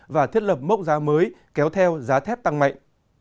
và thiết lập mốc giá mới kéo theo giá thép tăng mạnh